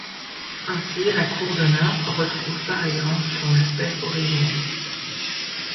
Ainsi, la cour d'honneur retrouve par exemple son aspect originel.